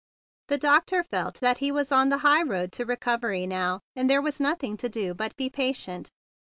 The doctor felt that he was on the high road to re¬ covery now, and there was nothing to do but be patient.